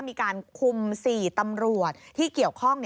มีการคุม๔ตำรวจที่เกี่ยวข้อง